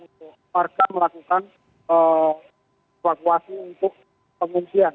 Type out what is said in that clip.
untuk warga melakukan evakuasi untuk pengungsian